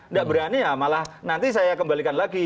nggak berani ya malah nanti saya kembalikan lagi